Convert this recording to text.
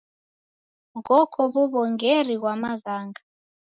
Ghoko w'uw'ongeri ghwa maghanga.